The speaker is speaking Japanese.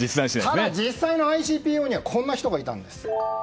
ただ実際のＩＣＰＯにはこんな人がいたんです。